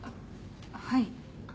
はい。